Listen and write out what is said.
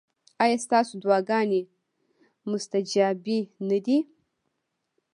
ایا ستاسو دعاګانې مستجابې نه دي؟